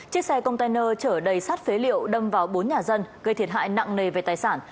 chiếc xe container chở đầy sát phế liệu đâm vào bốn nhà dân gây thiệt hại nặng nề về tài sản